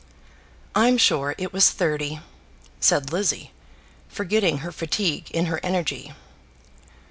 "I'm sure it was thirty," said Lizzie, forgetting her fatigue in her energy.